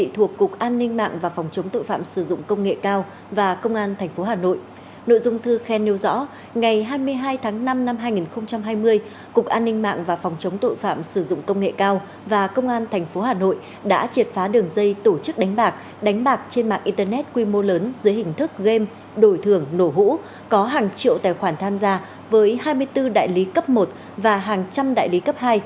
hai tháng năm năm hai nghìn hai mươi cục an ninh mạng và phòng chống tội phạm sử dụng công nghệ cao và công an tp hà nội đã triệt phá đường dây tổ chức đánh bạc đánh bạc trên mạng internet quy mô lớn dưới hình thức game đổi thưởng nổ hũ có hàng triệu tài khoản tham gia với hai mươi bốn đại lý cấp một và hàng trăm đại lý cấp hai